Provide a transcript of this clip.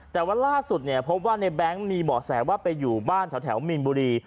แต่ว่าล่าสุดเนี่ยพบว่าในแบงค์มีเบาะแสว่าไปอยู่บ้านแถวมีนบุรี